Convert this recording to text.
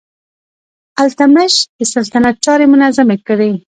التتمش د سلطنت چارې منظمې کړې.